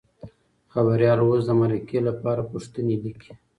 خبریال اوس د مرکې لپاره پوښتنې لیکي.